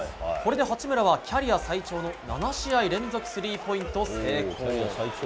これで八村はキャリア最長の７試合連続スリーポイント成功。